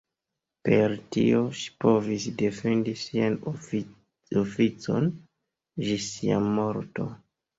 Per tio ŝi povis defendi sian oficon ĝi sia morto.